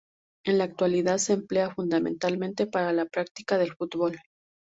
En la actualidad se emplea, fundamentalmente, para la práctica del fútbol.